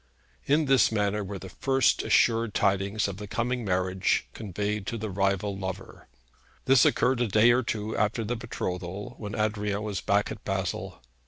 In this manner were the first assured tidings of the coming marriage conveyed to the rival lover. This occurred a day or two after the betrothal, when Adrian was back at Basle.